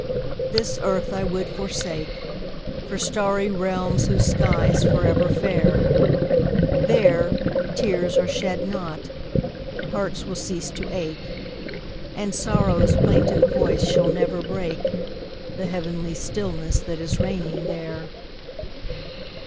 This earth I would forsake For starry realms whose sky's forever fair; There, tears are shed not, hearts will cease to ache, And sorrow's plaintive voice shall never break The heavenly stillness that is reigning there.